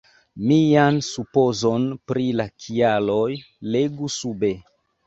Mian supozon pri la kialoj legu sube.